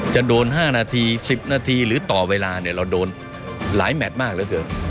จะโดน๕นาที๑๐นาทีหรือต่อเวลาเนี่ยเราโดนหลายแมทมากเหลือเกิน